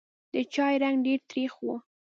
د چای رنګ ډېر تریخ و.